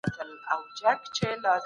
د وخت قدر وپېژنئ او ګټه ترې واخلئ.